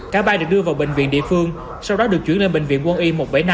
cả ba được đưa vào bệnh viện địa phương sau đó được chuyển lên bệnh viện quân y một trăm bảy mươi năm